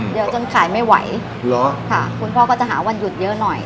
จนขายไม่ไหวเหรอค่ะคุณพ่อก็จะหาวันหยุดเยอะหน่อย